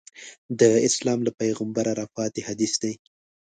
د اسلام له پیغمبره راپاتې حدیث دی.